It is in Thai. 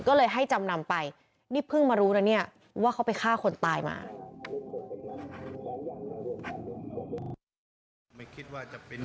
ก็เลยให้จำนำไปนี่เพิ่งมารู้นะเนี่ยว่าเขาไปฆ่าคนตายมา